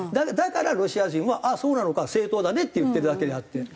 だからロシア人はああそうなのか正当だねって言ってるだけであって。